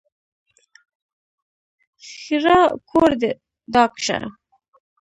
ښېرا: کور دې ډاک شه!